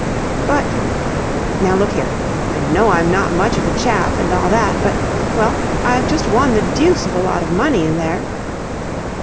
"But..." "Now, look here, I know I'm not much of a chap and all that, but... well, I've just won the deuce of a lot of money in there..."